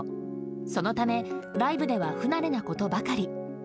そのため、ライブでは不慣れなことばかり。